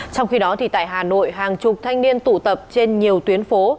trong khi đó tại hà nội hàng chục thanh niên tụ tập trên nhiều tuyến phố